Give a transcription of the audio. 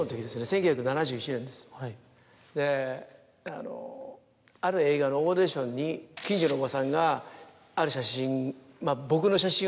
であのある映画のオーディションに近所のおばさんがある写真